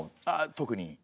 ああ特に。